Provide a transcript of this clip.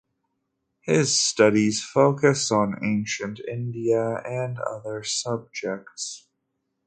His studies focus on Ancient India and other subjects.